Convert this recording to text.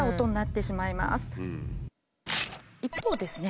一方ですね